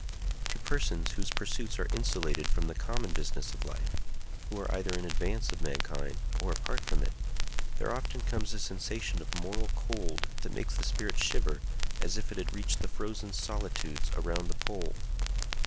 To persons whose pursuits are insulated from the common business of life—who are either in advance of mankind or apart from it—there often comes a sensation of moral cold that makes the spirit shiver as if it had reached the frozen solitudes around the pole.